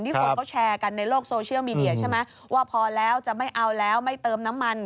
คนก็แชร์กันในโลกโซเชียลมีเดียใช่ไหมว่าพอแล้วจะไม่เอาแล้วไม่เติมน้ำมัน